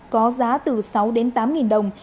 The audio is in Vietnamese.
có giá từ sáu tám nghìn đồng